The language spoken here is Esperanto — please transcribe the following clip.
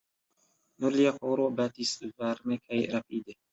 Nur lia koro batis varme kaj rapide.